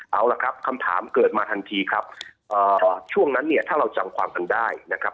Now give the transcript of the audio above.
เอาล่ะครับคำถามเกิดมาทันทีครับช่วงนั้นเนี่ยถ้าเราจำความกันได้นะครับ